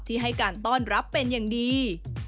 ให้การต้อนรับเป็นอย่างดี